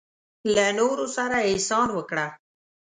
له نورو سره احسان وکړه.